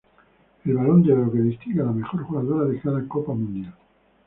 El Balón de Oro, que distingue a la mejor jugadora de cada Copa Mundial.